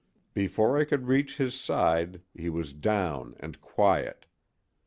Before I could reach his side he was down and quiet.